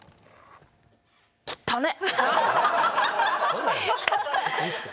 きったな。